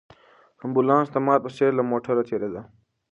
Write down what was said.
امبولانس د مار په څېر له موټرو تېرېده.